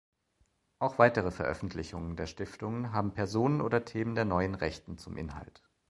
Auch weitere Veröffentlichungen der Stiftungen haben Personen oder Themen der Neuen Rechten zum Inhalt.